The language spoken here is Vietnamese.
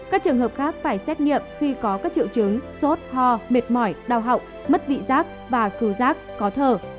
các trường hợp khác phải xét nghiệm khi có các triệu chứng sốt ho mệt mỏi đau hậu mất vị giác và khứ giác có thờ